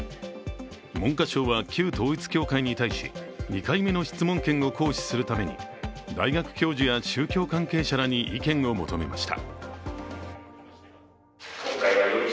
文科省は旧統一教会に対し２回目の質問権を行使するために、大学教授や宗教関係者らに意見を求めました。